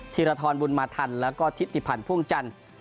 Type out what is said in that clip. ธิรธรรมบุรมาธรรมแล้วก็ทิศนิพันธ์พ่วงจันทร์